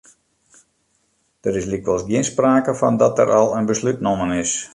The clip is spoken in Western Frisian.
Der is lykwols gjin sprake fan dat der al in beslút nommen is.